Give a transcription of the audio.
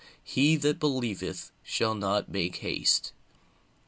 "HE THAT BELIEVETH SHALL NOT MAKE HASTE."